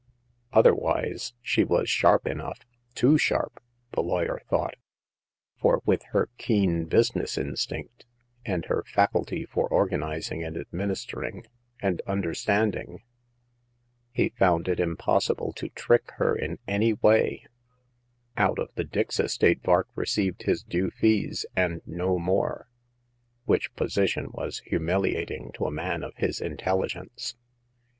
Otherwise she was sharp enough — too sharp, the lawyer thought ; for with her keen business instinct, and her faculty for organizing and administering and understanding, he found it impossible to trick her in any way* Out of 36 Hagar of the Pawn Shop. the Dix estate Vark received his due fees and no more, which position was humiliating to a man of his intelligence.